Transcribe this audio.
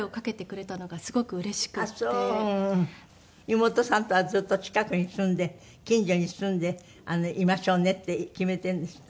妹さんとはずっと近くに住んで近所に住んでいましょうねって決めているんですって？